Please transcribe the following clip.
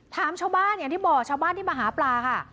ถามชาวบ้านอย่างที่บอกชาวบ้านที่มาหาปลาค่ะ